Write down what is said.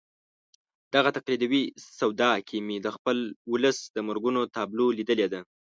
دغه تقلیدي سودا کې مې د خپل ولس د مرګونو تابلو لیدلې ده.